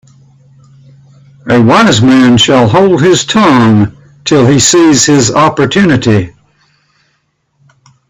A wise man shall hold his tongue till he sees his opportunity.